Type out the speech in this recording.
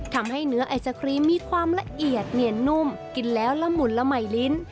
ทำให้เนื้อไอศครีมมีความละเอียดเนียนนุ่มกินแล้วละหมุนละใหม่ลิ้น